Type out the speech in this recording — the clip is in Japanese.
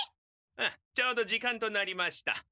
あっちょうど時間となりました。